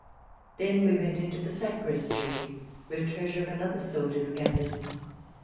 Then we went into the sacristy, where treasure of another sort is gathered.